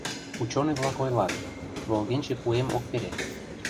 Учёный-влак ойлат: «Волгенче куэм ок пере.